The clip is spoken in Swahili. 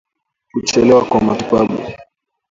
Kuchelewa kwa matibabu